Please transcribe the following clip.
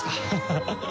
ハハハハ。